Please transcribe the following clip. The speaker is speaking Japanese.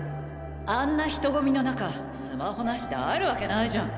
あんな人混みの中スマホなしで会えるワケないじゃん！